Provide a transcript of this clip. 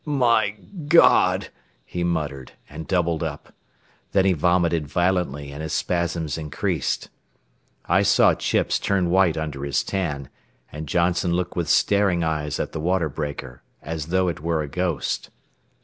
"My God!" he muttered, and doubled up. Then he vomited violently and his spasms increased. I saw Chips turn white under his tan, and Johnson look with staring eyes at the water breaker, as though it were a ghost.